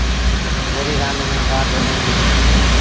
دريٚ رآند ميݩ ٻا ٽولين هوئيݩ ديٚݩ۔